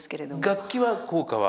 楽器は効果は？